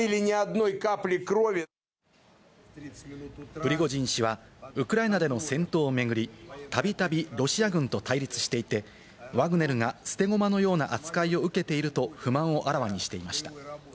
プリゴジン氏はウクライナでの戦闘を巡り、たびたびロシア軍と対立していて、ワグネルが捨て駒のような扱いを受けていると不満をあらわにしていました。